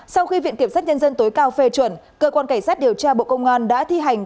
sau khi viện kiểm sát nhân dân tối cao phê chuẩn cơ quan cảnh sát điều tra bộ công an đã thi hành